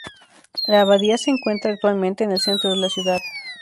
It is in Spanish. La abadía se encuentra actualmente en el centro de la ciudad.